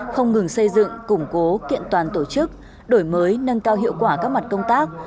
không ngừng xây dựng củng cố kiện toàn tổ chức đổi mới nâng cao hiệu quả các mặt công tác